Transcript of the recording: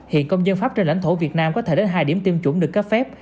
hiện công dân pháp trên lãnh thổ việt nam có thể đến hai điểm tiêm chủng được cấp phép